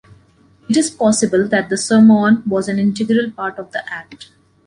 It is possible that the sermon was an integral part of the act.